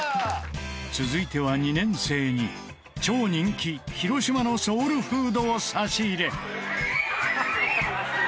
続いては２年生に超人気広島のソウルフードを差し入れ